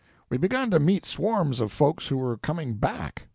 We begun to meet swarms of folks who were coming back.